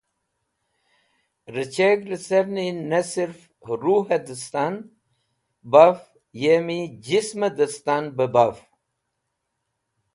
Rẽcheg̃h lecẽrni ne sirf rhugh dẽstan baf yemi jesmẽ destan bẽ baf.